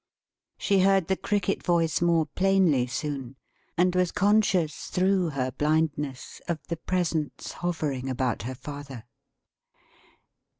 She heard the Cricket voice more plainly soon; and was conscious, through her blindness, of the Presence hovering about her father.